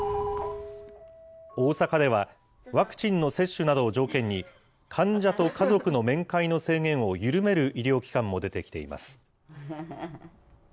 大阪では、ワクチンの接種などを条件に、患者と家族の面会の制限を緩める医療機関も出てきています。